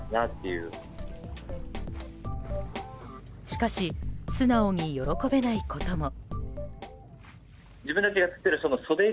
しかし素直に喜べないことも。